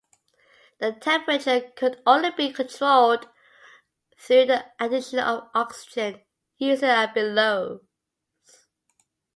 The temperature could only be controlled through the addition of oxygen, using a bellows.